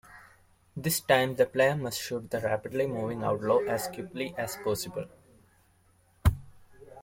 This time, the player must shoot the rapidly moving outlaw as quickly as possible.